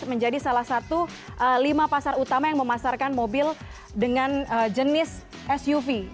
menjadi salah satu lima pasar utama yang memasarkan mobil dengan jenis suv